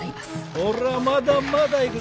俺はまだまだいくぞ。